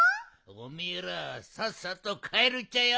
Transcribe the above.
おめえらさっさとかえるっちゃよ！